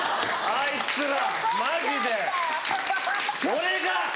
俺が！